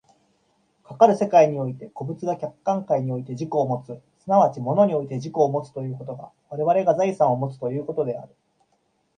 かかる世界において個物が客観界において自己をもつ、即ち物において自己をもつということが我々が財産をもつということである。